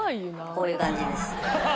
こういう感じです。